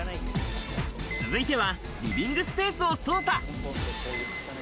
続いてはリビングスペースを捜査。